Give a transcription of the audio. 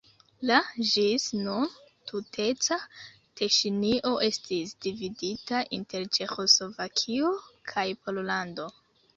La ĝis nun tuteca Teŝinio estis dividita inter Ĉeĥoslovakio kaj Pollando.